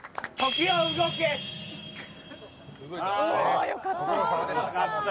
あよかった。